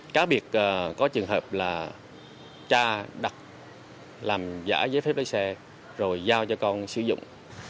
cá biệt có trường hợp là tra đặt làm giả giấy phép lái xe rồi giao cho con sử dụng